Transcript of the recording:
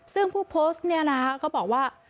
ซึ่งผู้โพสต์เนี่ยนะคะก็บอกว่า